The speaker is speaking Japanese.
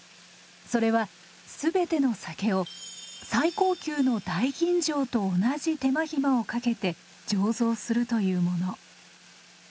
それはすべての酒を最高級の大吟醸と同じ手間暇をかけて醸造するというもの。